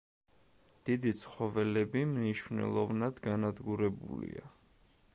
დიდი ცხოველები მნიშვნელოვნად განადგურებულია.